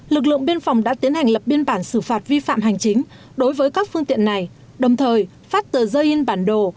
lực lượng biên phòng đã tiến hành lập biên bản xử phạt vi phạm hành chính đối với các phương tiện này đồng thời phát tờ rơi in bản đồ